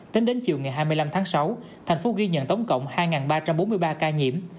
tính đến chiều ngày hai mươi năm tháng sáu thành phố ghi nhận tổng cộng hai ba trăm bốn mươi ba ca nhiễm